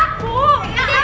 aku bukan malin